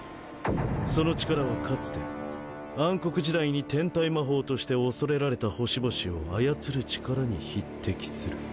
その力はかつて暗黒時代に天体魔法として恐れられた星々を操る力に匹敵する。